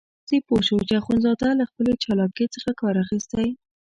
قاضي پوه شو چې اخندزاده له خپلې چالاکۍ څخه کار اخیستی.